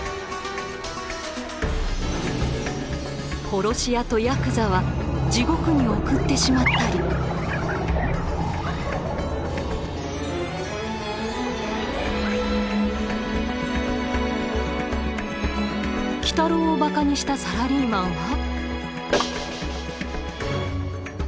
殺し屋とヤクザは地獄に送ってしまったり鬼太郎をバカにしたサラリーマンは。